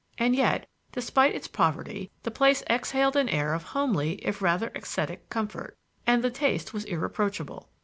And yet, despite its poverty, the place exhaled an air of homely if rather ascetic comfort, and the taste was irreproachable.